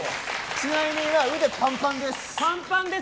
ちなみに今、腕パンパンです。